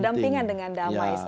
ada kepentingan dengan damai semuanya